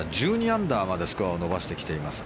１２アンダーまでスコアを伸ばしてきています。